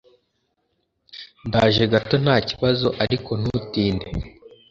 ndaje gato ntakibazo ariko ntutinde,